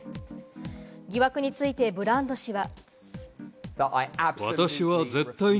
疑惑について、ブランド氏は。